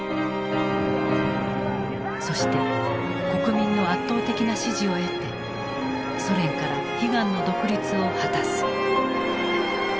そして国民の圧倒的な支持を得てソ連から悲願の独立を果たす。